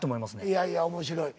いやいや面白い。